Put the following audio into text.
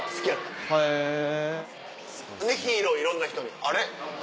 んでヒーローいろんな人にあれ？